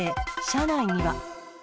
車内には。